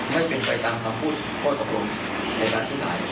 ไม่เป็นใกล้ตามคำพูดพ่อยกับคนในรัฐที่หลาย